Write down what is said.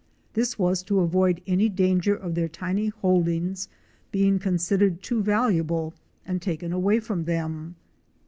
This was to avoid any danger of their tiny holdings being considered too valuable and taken away from them.